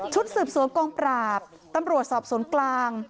สืบสวนกองปราบตำรวจสอบสวนกลาง